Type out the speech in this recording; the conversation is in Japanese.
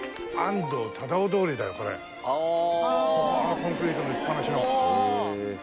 コンクリートの打ちっぱなしの。